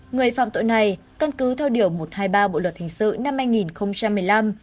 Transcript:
người phạm tội này căn cứ theo điều một trăm hai mươi ba bộ luật hình sự năm hai nghìn một mươi năm